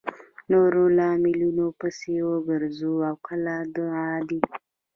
نورو لاملونو پسې وګرځو او کله د عادي